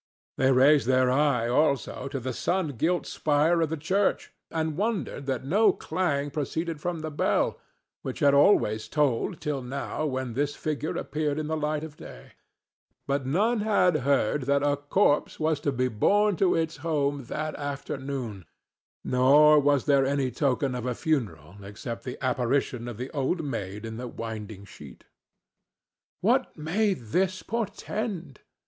They raised their eyes, also, to the sun gilt spire of the church, and wondered that no clang proceeded from its bell, which had always tolled till now when this figure appeared in the light of day. But none had heard that a corpse was to be borne to its home that afternoon, nor was there any token of a funeral except the apparition of the Old Maid in the Winding Sheet. "What may this portend?"